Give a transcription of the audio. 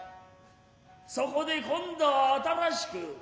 そこで今度は新しく八百屋